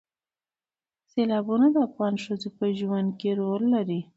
سیلابونه د افغان ښځو په ژوند کې رول لري.